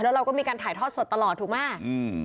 แล้วเราก็มีการถ่ายทอดสดตลอดถูกไหมอืม